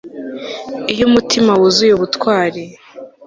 iyo umutima wuzuye ubutwari